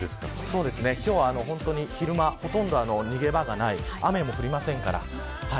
今日は本当に昼間ほとんど逃げ場がない雨も降りませんから。